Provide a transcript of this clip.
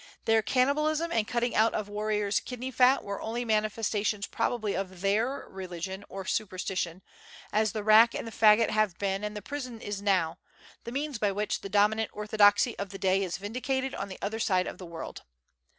Their cannibalism and cutting out of warriors' kidney fat were only manifestations probably of their religion or superstition, as the rack and the faggot have been, and the prison is now, the means by which the dominant orthodoxy of the day is vindicated on the other side of the world.